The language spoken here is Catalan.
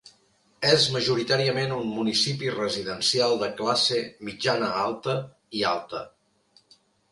És majoritàriament un municipi residencial de classe mitjana-alta i alta.